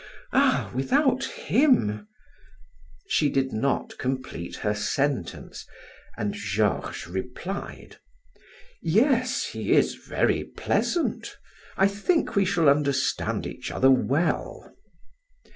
Ah, without him " She did not complete her sentence and Georges replied: "Yes, he is very pleasant, I think we shall understand each other well."